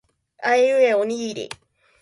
あいうえおにぎり